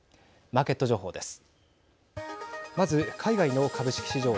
マーケット情報です。